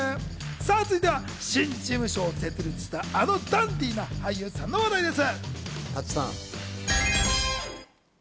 続いては新事務所を設立したあのダンディーな俳優さんです。